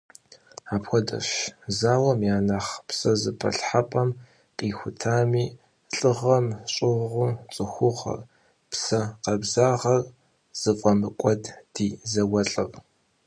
Апхуэдэщ зауэм я нэхъ псэзэпылъхьэпӏэм къихутами, лӏыгъэм щӏыгъуу цӏыхугъэр, псэ къабзагъэр зыфӏэмыкӏуэд ди зауэлӏыр.